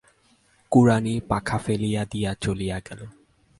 কুড়ানি পাখা ফেলিয়া দিয়া চলিয়া গেল।